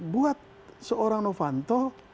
buat seorang novanto